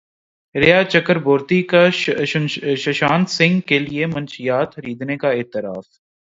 ریا چکربورتی کا سشانت سنگھ کے لیے منشیات خریدنے کا اعتراف